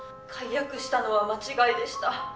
解約したのは間違いでした。